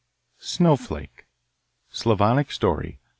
Snowflake Slavonic story.